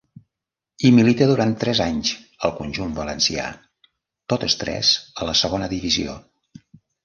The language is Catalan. Hi milita durant tres anys al conjunt valencià, totes tres a la Segona Divisió.